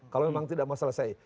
kalau memang tidak mau selesai